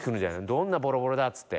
どんなボロボロだ！っつって」